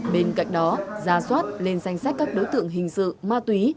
bên cạnh đó ra soát lên danh sách các đối tượng hình sự ma túy